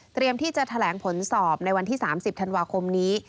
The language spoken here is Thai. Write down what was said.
ที่จะแถลงผลสอบในวันที่๓๐ธันวาคมนี้